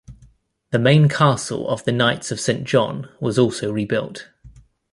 The main castle of the Knights of Saint John was also rebuilt.